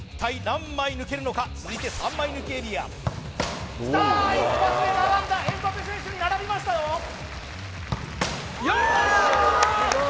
何枚抜けるのか続いて３枚抜きエリアきた一発で並んだエムバペ選手に並びましたよきた！